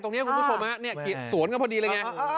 ตรงนี้คุณผู้ชมนี่สวนกันพอดีล่ะไง